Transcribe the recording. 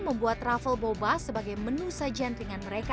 membuat raffle boba sebagai menu sajian ringan mereka